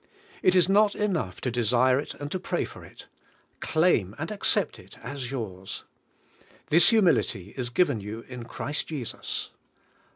It is not enough to desire it and to pray for it; claim and accept it as yours. This humilJtj^ is given you in Christ Jesus.